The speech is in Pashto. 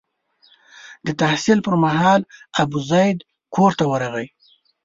د تحصیل پر مهال ابوزید کور ته ورغلی.